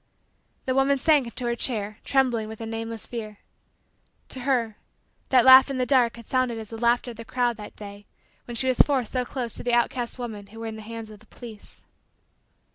The woman sank into her chair, trembling with a nameless fear. To her, that laugh in the dark had sounded as the laughter of the crowd that day when she was forced so close to the outcast women who were in the hands of the police.